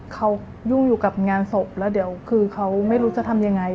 เขายุ่งอยู่กับงานศพแล้วเดี๋ยวคือเขาไม่รู้จะทำยังไง